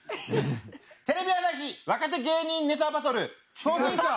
テレビ朝日「若手芸人ネタバトル総選挙」！